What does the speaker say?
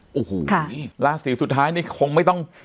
โอ้โหราศีสุดท้ายนี่คงไม่ต้อง